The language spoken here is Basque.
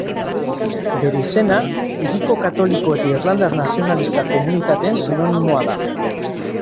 Bere izena hiriko katoliko eta irlandar nazionalista komunitateen sinonimoa da.